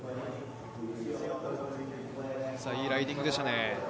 いいライディングでしたね。